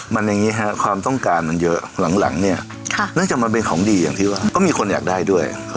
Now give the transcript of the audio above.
แต่ว่าเป็นจุดแบบเผื่อด่วนขายดีจนโรงงานเบียร์